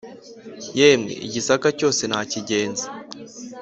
yemwe i gisaka cyose nakigenze